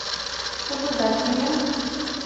Кугызай, кынел!